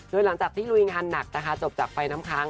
โดยหลังจากที่ลุยงานหนักนะคะจบจากไฟน้ำค้าง